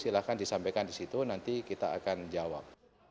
silahkan disampaikan di situ nanti kita akan jawab